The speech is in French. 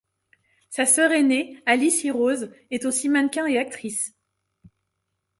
Sa sœur aînée, Alice Hirose, est aussi mannequin et actrice.